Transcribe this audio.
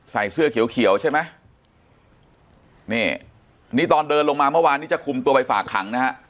ใส่เสื้อเขียวเขียวใช่ไหมนี่นี่ตอนเดินลงมาเมื่อวานนี้จะคุมตัวไปฝากขังนะฮะ